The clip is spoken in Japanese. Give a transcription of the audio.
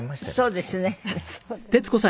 そうですね。